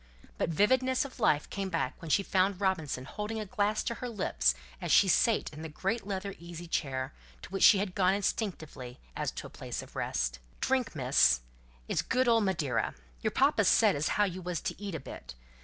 But vividness of life came back when she found Robinson holding a glass to her lips as she sat in the great leather easy chair, to which she had gone instinctively as to a place of rest. "Drink, Miss. It's good old Madeira. Your papa said as how you was to eat a bit.